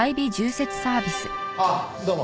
ああどうも。